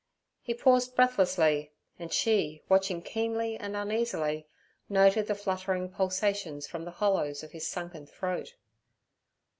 He paused breathlessly, and she, watching keenly and uneasily, noted the fluttering pulsations from the hollows of his sunken throat.